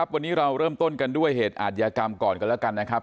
วันนี้เราเริ่มต้นกันด้วยเหตุอาทยากรรมก่อนกันแล้วกันนะครับ